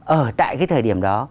ở tại cái thời điểm đó